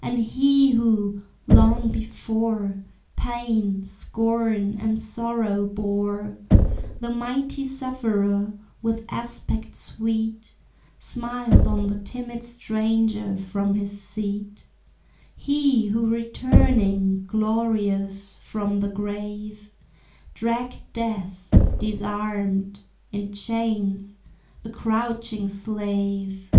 And He who, long before, Pain, scorn, and sorrow bore, The Mighty Sufferer, with aspect sweet, Smiled on the timid stranger from his seat; He who returning, glorious, from the grave, Dragged Death, disarmed, in chains, a crouching slave.